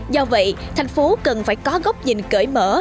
do vậy thành phố cần phải có góc nhìn cởi mở